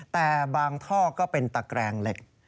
แต่บางท่อก็เป็นตะแกรงเหล็ก